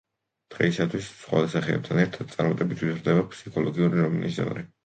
დღეისათვის, სხვა სახეებთან ერთად, წარმატებით ვითარდება ფსიქოლოგიური რომანის ჟანრი.